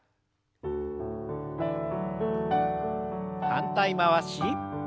反対回し。